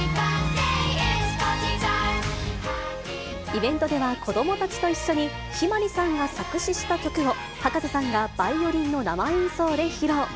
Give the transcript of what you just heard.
イベントでは子どもたちと一緒に、向日葵さんが作詞した曲を、葉加瀬さんがバイオリンの生演奏で披露。